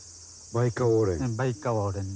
バイカオウレンですね。